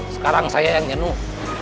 sekarang saya yang jenuh